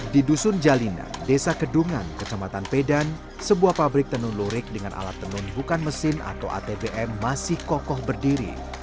di dusun jalina desa kedungan kecamatan pedan sebuah pabrik tenun lurik dengan alat tenun bukan mesin atau atbm masih kokoh berdiri